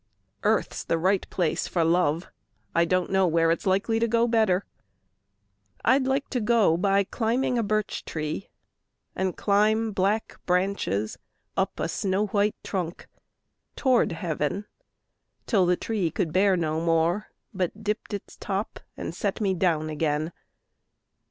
Earth's the right place for love: I don't know where it's likely to go better. I'd like to go by climbing a birch tree, And climb black branches up a snow white trunk Toward heaven, till the tree could bear no more, But dipped its top and set me down again.